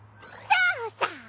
そうさ！